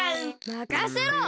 まかせろ！